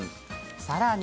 さらに。